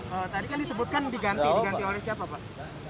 kalau tadi kan disebutkan diganti diganti oleh siapa pak